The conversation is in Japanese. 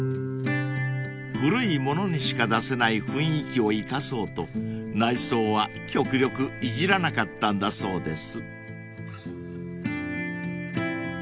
［古いものにしか出せない雰囲気を生かそうと内装は極力いじらなかったんだそうです］